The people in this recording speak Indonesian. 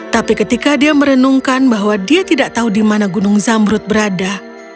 tapi ketika dia merenungkan bahwa dia tidak tahu di mana gunung zamrut berada